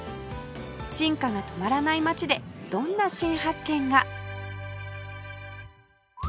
進化が止まらない街でどんな新発見が？